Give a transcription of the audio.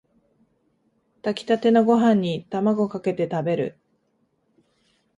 炊きたてのご飯にタマゴかけて食べる